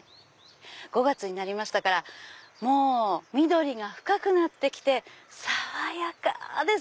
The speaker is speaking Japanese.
５月になりましたから緑が深くなってきて爽やかです！